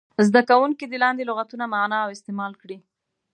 زده کوونکي دې لاندې لغتونه معنا او استعمال کړي.